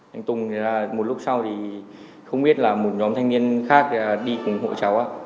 anh tùng là một lúc sau thì không biết là một nhóm thanh niên khác đi cùng hộ cháu ạ